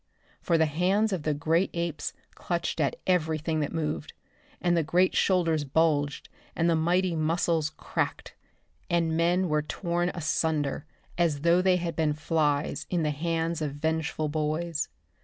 For the hands of the great apes clutched at everything that moved, and the great shoulders bulged, and the mighty muscles cracked, and men were torn asunder as though they had been flies in the hands of vengeful boys.